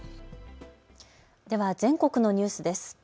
では、全国のニュースです。